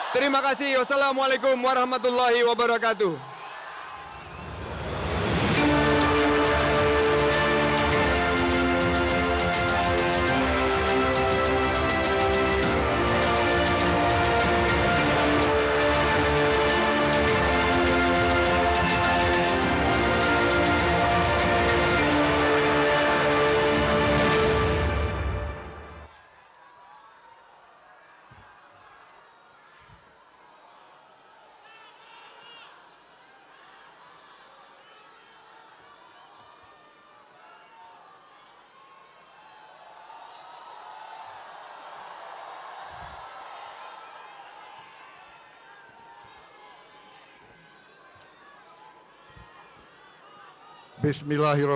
terima kasih wassalamualaikum warahmatullahi wabarakatuh